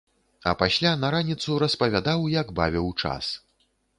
А пасля на раніцу распавядаў, як бавіў час.